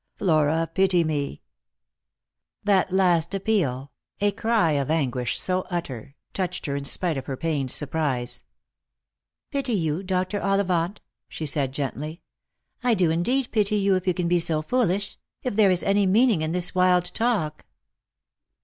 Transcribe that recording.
Flora, pity me !" That last appeal — a cry of anguish so utter — touched her in spite of her pained surprise. "Pity you, Dr. OllivantP" she said gently. "I do indeed pity you , if you can be so foolish — if there is any meaning in this wild talk."